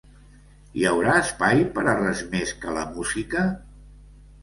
Hi haurà espai per a res més que la música?